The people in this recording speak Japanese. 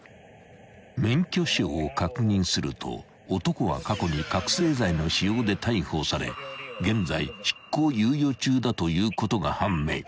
［免許証を確認すると男は過去に覚醒剤の使用で逮捕され現在執行猶予中だということが判明］